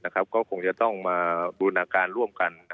ก็คงจะต้องมาบูรณาการร่วมกัน